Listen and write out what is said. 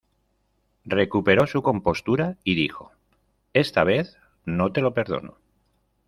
Recupero su compostura y dijo: esta vez no te lo perdono